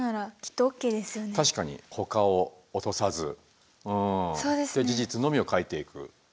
確かにほかを落とさずで事実のみを書いていく。